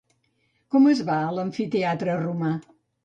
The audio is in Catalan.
Com es va a l'amfiteatre romà?